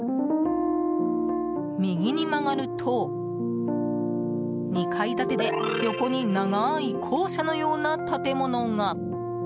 右に曲がると２階建てで横に長い校舎のような建物が。